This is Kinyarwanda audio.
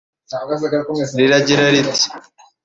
riragira riti